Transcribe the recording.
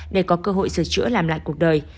để có cơ hội sửa chữa làm lại cuộc đời